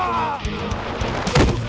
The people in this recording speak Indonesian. suara yang sendiri ini adalah